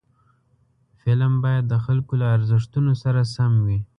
فلم باید د خلکو له ارزښتونو سره سم وي